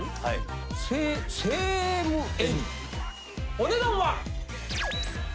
お値段は。